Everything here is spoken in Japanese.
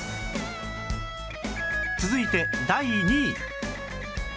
続いて第２位